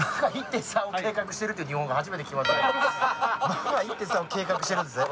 マッハ１．３を計画してるんですね。